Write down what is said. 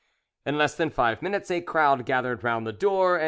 In less than five minutes a crowd gathered round the door, and M.